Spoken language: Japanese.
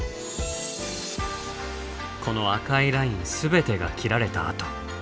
この赤いライン全てが斬られた痕。